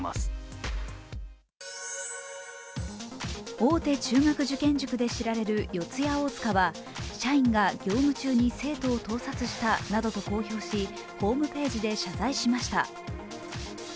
大手中学受験塾で知られる四谷大塚は社員が業務中に生徒を盗撮したなどと公表しホームページで謝罪しました。